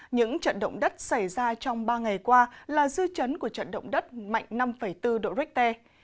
những trận động đất xảy ra trong ba ngày qua là dư chấn của trận động đất mạnh năm bốn độ richter